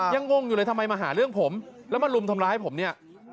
งงอยู่เลยทำไมมาหาเรื่องผมแล้วมาลุมทำร้ายผมเนี่ย